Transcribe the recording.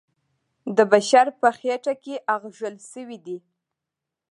د بشر په خټه کې اغږل سوی دی.